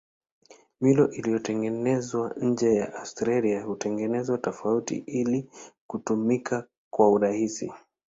Milo iliyotengenezwa nje ya Australia hutengenezwa tofauti ili kutumika kwa urahisi.